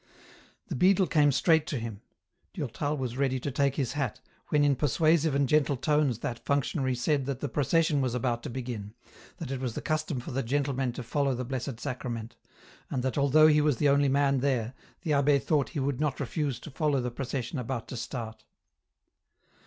The beadle came straight to him ; Durtal was ready to take his hat, when in persuasive and gentle tones that functionary said that the procession was about to begin, that it was the custom for the gentlemen to follow the Blessed Sacrament, and that although he was the only man there, the abbd thought he would not refuse to follow the procession about to start.